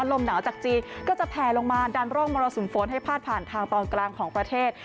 ลมหนาวจากจีนก็จะแผลลงมาดันร่องมรสุมฝนให้พาดผ่านทางตอนกลางของประเทศ